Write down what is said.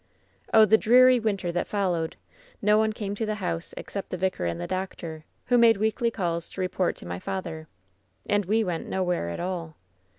"Oh, the dreary winter that followed ! No one came to the house except the vicar and the doctor, who made weekly calls to report to my father. And we went no where at all.